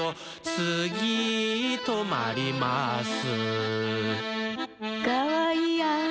「つぎとまります」